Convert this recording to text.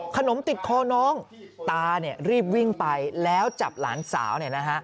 ขนมติดคอน้องตารีบวิ่งไปแล้วจับหลานสาว